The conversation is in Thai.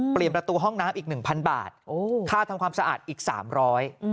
เปลี่ยนประตูห้องน้ำอีก๑๐๐๐บาทค่าทำความสะอาดอีก๓๐๐บาท